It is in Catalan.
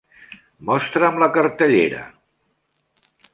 Mostra'm la cartellera